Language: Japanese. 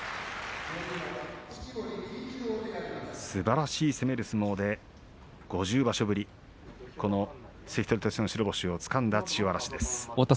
すばらしい攻める相撲で５０場所ぶり関取としての、白星をつかんだ千代嵐です。